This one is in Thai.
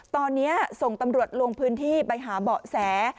ตอนนี้ส่งตำรวจลงพื้นที่ไปหาเบาะแส